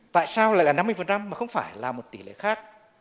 tại sao lại là năm mươi mà không phải là một tỷ lệ khác